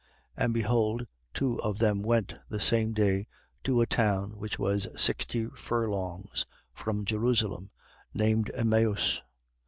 24:13. And behold, two of them went, the same day, to a town which was sixty furlongs from Jerusalem, named Emmaus.